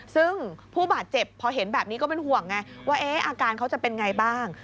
ซึ่งผู้บาดเจ็บพอเห็นแบบนี้ก็เป็นห่วงไงว่าอาการเขาจะเป็นไงบ้าง